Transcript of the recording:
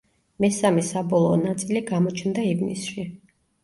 მესამე საბოლოო ნაწილი გამოჩნდა ივნისში.